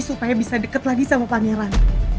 supaya bisa deket lagi sama pangeran